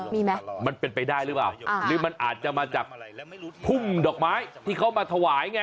มีไหมมันเป็นไปได้หรือเปล่าหรือมันอาจจะมาจากพุ่มดอกไม้ที่เขามาถวายไง